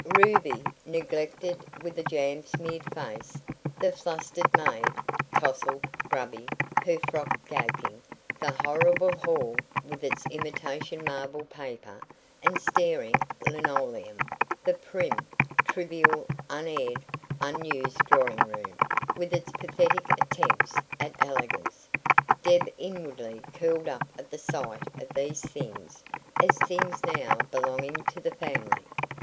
Ruby, neglected, with a jam smeared face the flustered maid, tousled, grubby, her frock gaping the horrible hall, with its imitation marble paper and staring linoleum the prim, trivial, unaired, unused drawing room, with its pathetic attempts at elegance Deb inwardly curled up at the sight of these things as things now belonging to the family.